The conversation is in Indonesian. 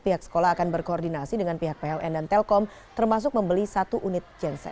pihak sekolah akan berkoordinasi dengan pihak pln dan telkom termasuk membeli satu unit jenset